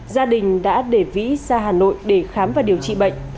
gia đình đã để vĩ ra hà nội để khám và điều trị bệnh